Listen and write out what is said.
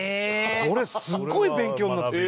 これすごい勉強になった。